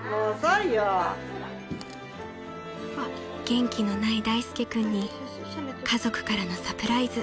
［元気のない大介君に家族からのサプライズ］